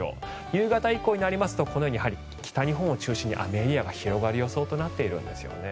夕方以降になりますと北日本を中心に雨エリアが広がる予想となっているんですよね。